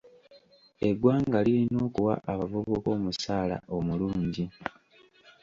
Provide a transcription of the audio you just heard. Eggwanga lirina okuwa abavubuka omusaala omulungi.